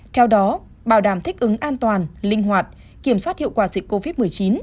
theo đó bảo đảm thích ứng an toàn linh hoạt kiểm soát hiệu quả dịch covid một mươi chín